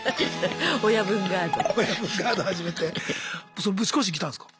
ぶち壊しに来たんすか？